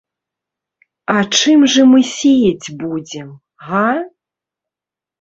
А чым жа мы сеяць будзем? га?